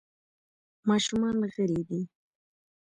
ماشومان غلي دي .